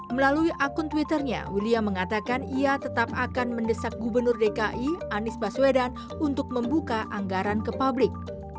melalui akun twitternya william mengatakan ia tetap akan mendesak gubernur dki anies baswedan untuk membuka anggaran ke publik